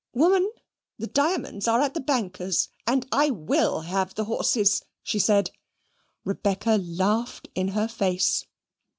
"Woman, the diamonds are at the banker's, and I WILL have the horses," she said. Rebecca laughed in her face.